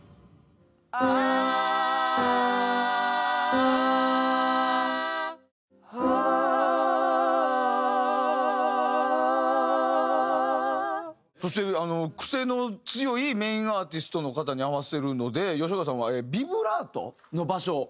「アーアーアー」「アーアーアー」そして癖の強いメインアーティストの方に合わせるので吉岡さんはビブラートの場所。